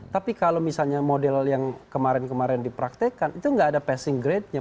tapi kalau misalnya model yang kemarin kemarin dipraktekkan itu nggak ada passing grade nya